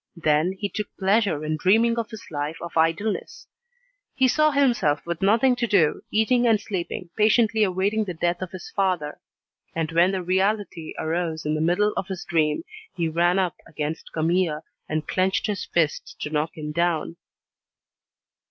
Then, he took pleasure in dreaming of this life of idleness; he saw himself with nothing to do, eating and sleeping, patiently awaiting the death of his father. And when the reality arose in the middle of his dream, he ran up against Camille, and clenched his fists to knock him down.